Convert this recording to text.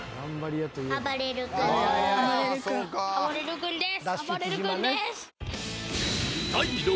あばれる君です！